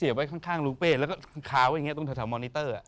เสียบไว้ข้างรูเป้นแล้วก็คลาไว้ตรงเท่ามอนิเตอร์